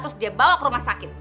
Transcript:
terus dia bawa ke rumah sakit